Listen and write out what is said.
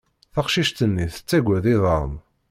Taqcict-nni tettagad iḍan.